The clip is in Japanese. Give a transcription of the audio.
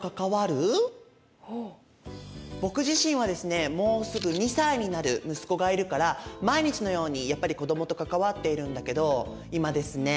僕自身はですねもうすぐ２歳になる息子がいるから毎日のようにやっぱり子どもと関わっているんだけど今ですね